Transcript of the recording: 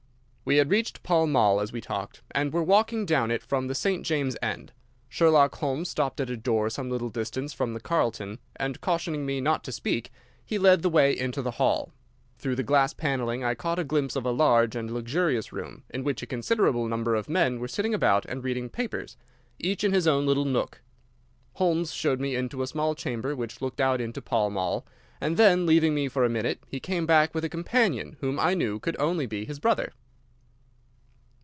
We had reached Pall Mall as we talked, and were walking down it from the St. James's end. Sherlock Holmes stopped at a door some little distance from the Carlton, and, cautioning me not to speak, he led the way into the hall. Through the glass paneling I caught a glimpse of a large and luxurious room, in which a considerable number of men were sitting about and reading papers, each in his own little nook. Holmes showed me into a small chamber which looked out into Pall Mall, and then, leaving me for a minute, he came back with a companion whom I knew could only be his brother.